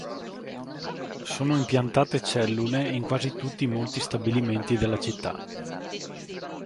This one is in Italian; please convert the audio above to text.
Sono impiantate cellule in quasi tutti i molti stabilimenti della città.